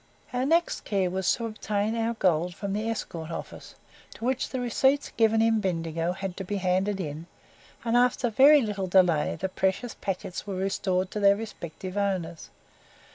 Our next care was to obtain our gold from the Escort office; to do which the receipts given in Bendigo had to be handed in, and after very little delay the precious packets were restored to their respective owners.